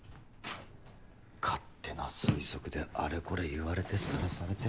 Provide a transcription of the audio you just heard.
勝手な推測であれこれ言われてさらされて。